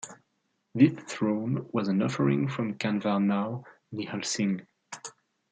This throne was an offering from Kanvar Nau Nihal Singh.